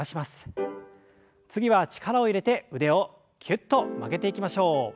次は力を入れて腕をきゅっと曲げていきましょう。